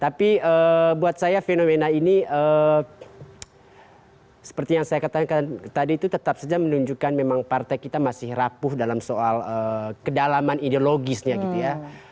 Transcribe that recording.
tapi buat saya fenomena ini seperti yang saya katakan tadi itu tetap saja menunjukkan memang partai kita masih rapuh dalam soal kedalaman ideologisnya gitu ya